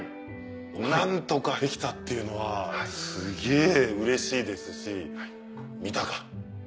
何とかできたっていうのはすげぇうれしいですし「見たか」って。